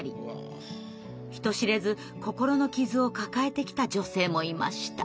人知れず心の傷を抱えてきた女性もいました。